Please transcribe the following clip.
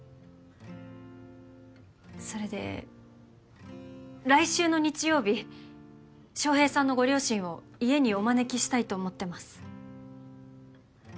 それで来週の日曜日翔平さんのご両親を家にお招きしたいと思ってます。